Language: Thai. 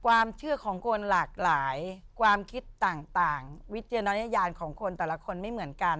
ความเชื่อของคนหลากหลายความคิดต่างวิจารณญาณของคนแต่ละคนไม่เหมือนกัน